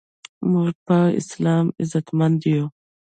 مونږ په اسلام عزتمند یو